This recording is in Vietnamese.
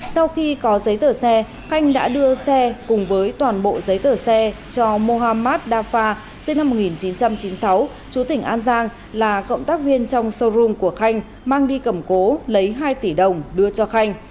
sau khi có giấy tờ xe khanh đã đưa xe cùng với toàn bộ giấy tờ xe cho mohammad dafa sinh năm một nghìn chín trăm chín mươi sáu chú tỉnh an giang là cộng tác viên trong showroom của khanh mang đi cầm cố lấy hai tỷ đồng đưa cho khanh